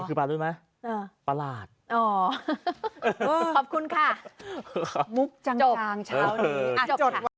คือปลาดูดมั้ยเออปลาหลาดอ๋อขอบคุณค่ะจบจบจบจบจบ